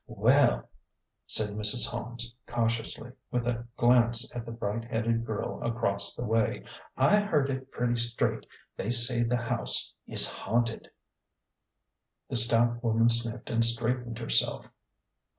" Well," said Mrs. Holmes, cautiously, with a glance at the bright headed girl across the way " I heard it pretty straight they say the house is haunted." The stout woman sniffed and straightened herself.